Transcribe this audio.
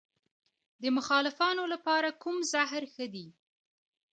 د ملخانو لپاره کوم زهر ښه دي؟